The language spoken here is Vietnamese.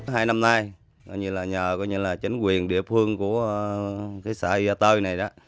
hai năm nay nhờ chính quyền địa phương của xã la tơi này